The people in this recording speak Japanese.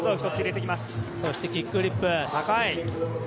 そしてキックフリップ。